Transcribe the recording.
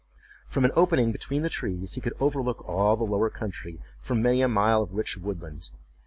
From an opening between the trees he could overlook all the lower country for many a mile of rich woodland.